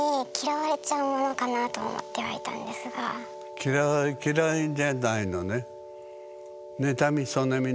嫌い嫌いじゃないのね。